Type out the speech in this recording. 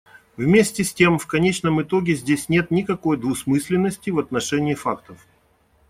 Вместе с тем, в конечном итоге здесь нет никакой двусмысленности в отношении фактов.